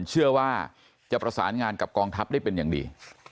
เชื่อว่าจะประสานงานกับกองทัพได้เป็นอย่างดี